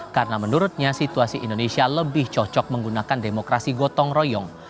karena menurutnya situasi indonesia lebih cocok menggunakan demokrasi gotong royong